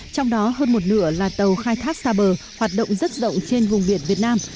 trong đó hơn một nửa là tàu khai thác xa bờ hoạt động rất rộng trên vùng biển việt nam